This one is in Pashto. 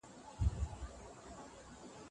کورنی نظام په کومو اصولو ولاړ دی؟